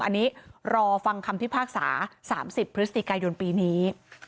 อันนี้รอฟังคำพิพากษา๓๐พฤศจิกายนปีนี้